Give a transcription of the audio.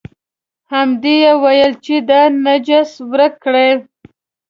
همدې یې ویل چې دا نجس ورک کړئ.